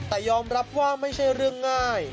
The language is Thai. แต่ยอมรับว่าไม่ใช่เรื่องง่าย